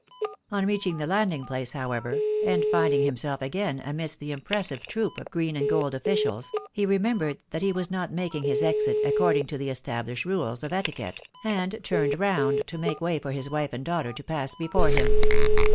On reaching the landing place, however, and finding himself again amidst the impressive troop of green and gold officials, he remembered that he was not making his exit according to the established rules of etiquette, and turned round to make way for his wife and daughter to pass before him.